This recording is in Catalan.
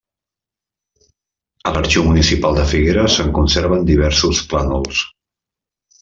A l'arxiu Municipal de Figueres se'n conserven diversos plànols.